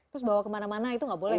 terus bawa kemana mana itu gak boleh ya